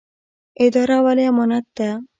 اداره ولې امانت ده؟